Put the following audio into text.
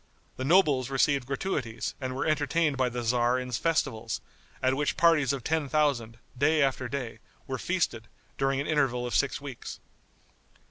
The nobles received gratuities and were entertained by the tzar in festivals, at which parties of ten thousand, day after day, were feasted, during an interval of six weeks.